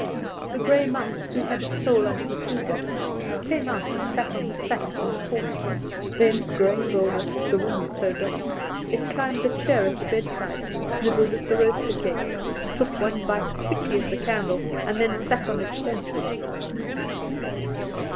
The grey mouse, who had his hole under the toolbox, came out and sat on the sacks in the corner; then, growing bolder, the room was so dark, it climbed the chair at the bedside, nibbled at the roaster cake, took one bite quickly at the candle, and then sat on his haunches listening.